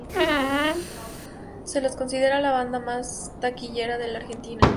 Se los considera la banda más taquillera de la Argentina.